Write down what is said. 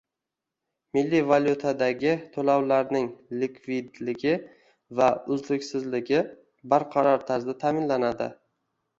Milliy valyutadagi to'lovlarning likvidligi va uzluksizligi barqaror tarzda ta'minlanadi